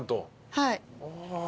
はい。